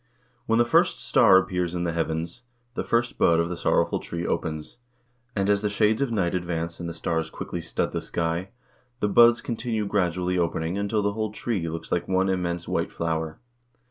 When the first star appears in the heavens, the first bud of the Sorrowful Tree opens, and as the shades of night advance and the stars thickly stud the sky, the buds continue gradually opening until the whole tree looks like one immense white flower.